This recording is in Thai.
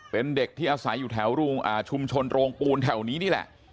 เป็นเด็กที่อาศัยอยู่แถวชุมชนโรงปูนแถวนี้นี่แหละ